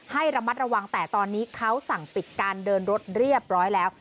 ให้ระมัดระวังแต่ตอนนี้เขาสั่งปิดการเดินรถเรียบร้อยแล้ว